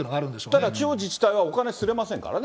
だから、地方自治体はお金刷れませんからね。